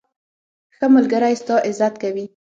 ښه ملګری ستا عزت کوي.